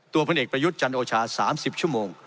พลเอกประยุทธ์จันโอชา๓๐ชั่วโมง